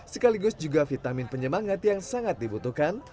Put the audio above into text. sekaligus juga vitamin penyemangat yang sangat dibutuhkan